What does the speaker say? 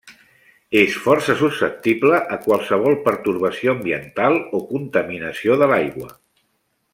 És força susceptible a qualsevol pertorbació ambiental o contaminació de l'aigua.